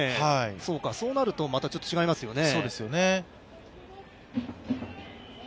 そうなると、またちょっと違いますよね。